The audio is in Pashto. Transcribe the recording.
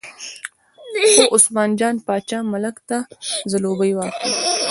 چې عثمان جان باچا ملک ته ځلوبۍ واخلي.